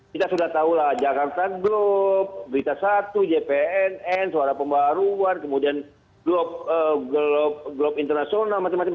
kita sudah tahulah jakarta globe berita satu jpnn suara pembaruan kemudian globe internasional masing masing